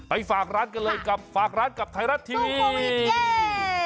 ไปฝากร้านกันเลยฝากร้านกับไทยรัดทีซูฟุบอิทเย้